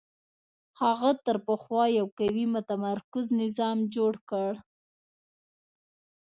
هغه تر پخوا یو قوي متمرکز نظام جوړ کړ